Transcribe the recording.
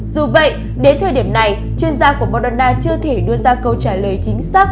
dù vậy đến thời điểm này chuyên gia của moderna chưa thể đưa ra câu trả lời chính xác